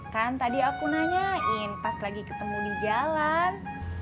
kan tadi aku nanyain pas lagi ketemu di jalan